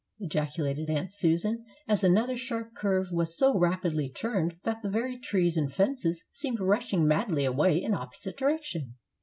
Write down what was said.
ejaculated Aunt Susan, as another sharp curve was so rapidly turned that the very trees and fences seemed rushing madly away in an opposite direction.